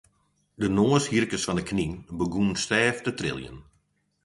De noashierkes fan de knyn begûnen sêft te triljen.